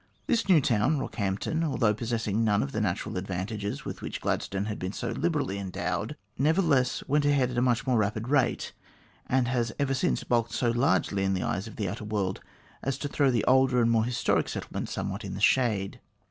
This new town, Rockhampton, although possessing none of the natural advantages with which Gladstone had been so liberally endowed, nevertheless went ahead at a much more rapid rate, and it has ever since bulked so largely in the eyes of the outer world, as to throw the older and more historic settlement somewhat in the shade.